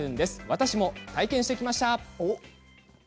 私も体験してきました。